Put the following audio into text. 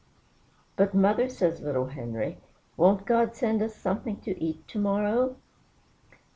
"But, mother," says little Henry, "won't God send us something to eat to morrow?"